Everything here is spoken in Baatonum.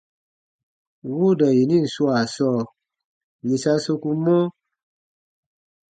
Wooda yenin swaa sɔɔ, yè sa sokumɔ: